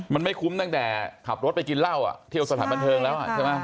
มันไม่คุ้มตั้งแต่ขับรถไปกินเหล้าเที่ยวสถานบันเทิงแล้วใช่ไหม